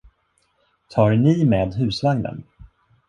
Tar ni med husvagnen?